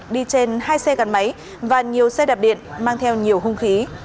đi trên hai xe gắn máy và nhiều xe đạp điện mang theo nhiều hung khí